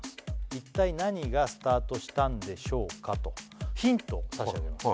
一体何がスタートしたんでしょうかとヒント差し上げます